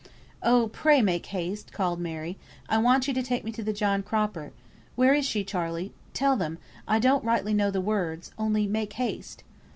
"Oh, pray make haste," called Mary. "I want you to take me to the John Cropper. Where is she, Charley? Tell them I don't rightly know the words, only make haste!"